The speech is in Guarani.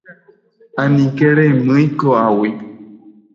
Aníke remýi ko'águi.